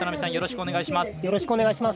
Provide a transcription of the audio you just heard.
よろしくお願いします。